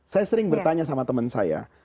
saya sering bertanya sama teman saya